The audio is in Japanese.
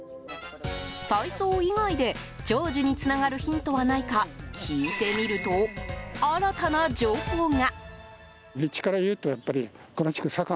体操以外で長寿につながるヒントがないか聞いてみると新たな情報が。